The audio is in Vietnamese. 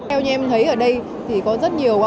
theo như em thấy ở đây thì có rất nhiều các tour mới